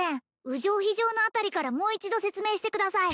うじょーひじょーの辺りからもう一度説明してください